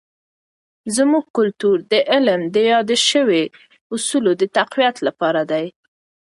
زموږ کلتور د علم د یادو سوي اصولو د تقویت لپاره دی.